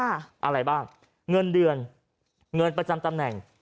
อะไรบ้างเงินเดือนเงินประจำตำแหน่ง